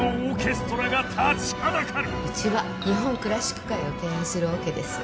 うちは日本クラシック界を牽引するオケです。